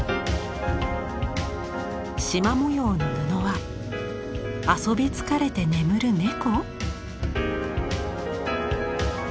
しま模様の布は遊び疲れて眠る猫？